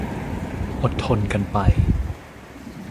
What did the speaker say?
อดทนกันไป